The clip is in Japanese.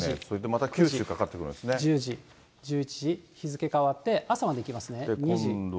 また九州にかか１０時、１１時、日付変わって、朝までいきますね。